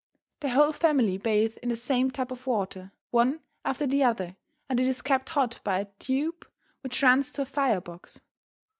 The whole family bathe in the same tub of water, one after the other, and it is kept hot by a tube which runs to a fire box.